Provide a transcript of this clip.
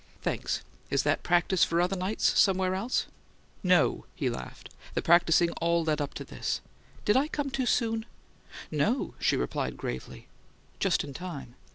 "Thanks! Is that practice for other nights somewhere else?" "No," he laughed. "The practicing all led up to this. Did I come too soon?" "No," she replied, gravely. "Just in time!"